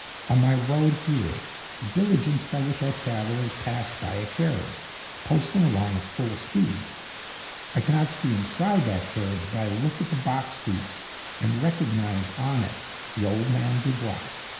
On my road here, the diligence by which I travel is passed by a carriage, posting along at full speed. I cannot see inside that carriage; but I look at the box seat, and recognize on it the old man Dubois.